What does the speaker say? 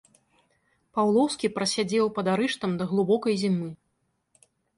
Паўлоўскі прасядзеў пад арыштам да глыбокай зімы.